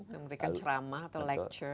memberikan ceramah atau lecture